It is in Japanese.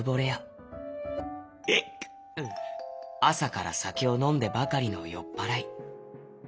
あさからさけをのんでばかりのよっぱらい。